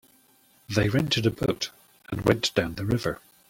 They rented a boat and went down the river.